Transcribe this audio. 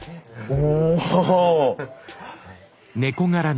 お。